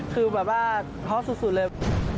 คือแบบว่าท้อสุดเลย